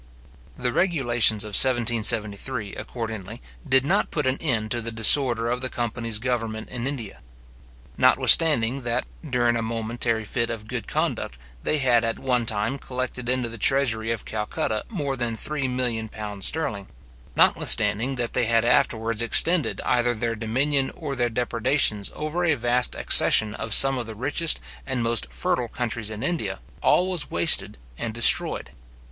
The regulations of 1773, accordingly, did not put an end to the disorder of the company's government in India. Notwithstanding that, during a momentary fit of good conduct, they had at one time collected into the treasury of Calcutta more than £3,000,000 sterling; notwithstanding that they had afterwards extended either their dominion or their depredations over a vast accession of some of the richest and most fertile countries in India, all was wasted and destroyed.